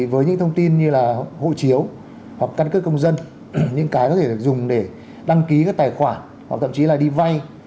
với những thông tin như là hộ chiếu hoặc căn cước công dân những cái có thể được dùng để đăng ký các tài khoản hoặc thậm chí là đi vay